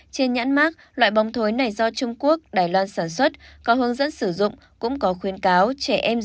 trên nhãn mát loại bóng thối này do trung quốc đài loan sản xuất có hướng dẫn sử dụng cũng có khuyên cáo trẻ em dưới sáu tuổi không được sử dụng